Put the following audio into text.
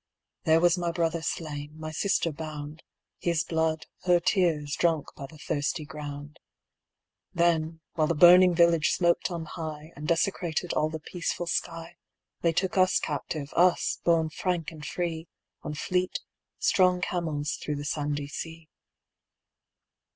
There was my brother slain, my sister bound; His blood, her tears, drunk by the thirsty ground. Then, while the burning village smoked on high, And desecrated all the peaceful sky, They took us captive, us, born frank and free, On fleet, strong camels through the sandy sea.